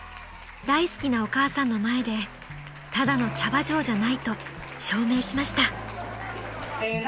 大好きなお母さんの前でただのキャバ嬢じゃないと証明しました］